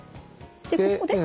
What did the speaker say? でここで？